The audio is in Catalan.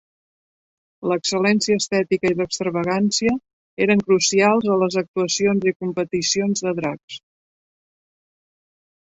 L'excel·lència estètica i l'extravagància eren crucials a les actuacions i competicions de drags.